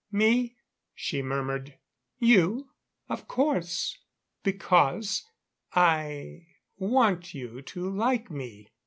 "Me?" she murmured. "You of course. Because I want you to like me."